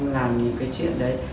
làm những cái chuyện đấy